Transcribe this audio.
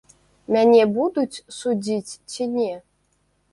Мяне будуць судзіць ці не?